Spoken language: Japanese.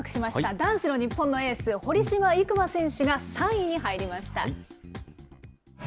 男子の日本のエース、堀島行真選手が３位に入りました。